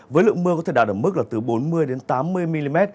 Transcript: với lượng mưa có thể đạt ở mức là từ bốn mươi tám mươi mm